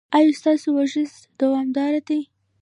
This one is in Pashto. ایا ستاسو ورزش دوامدار دی؟